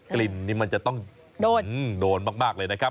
กลิ่นนี่มันจะต้องโดนมากเลยนะครับ